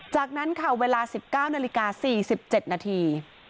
จากนั้นค่ะเวลาสิบเก้านาฬิกาสี่สิบเจ็ดนาที